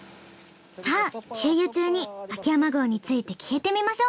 さあ給油中に秋山郷について聞いてみましょ。